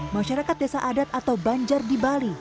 masyarakat desa adat atau banjar di bali